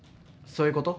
そういう事？